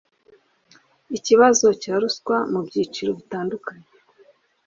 Ikibazo cya ruswa mu byiciro bitandukanye